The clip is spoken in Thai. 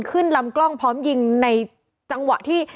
ขึ้นลำกล้องพร้อมยิงในจังหวะที่